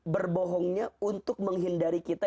berbohongnya untuk menghindari kita